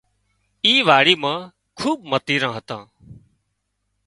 اي واڙِي مان کوٻ متيران هتان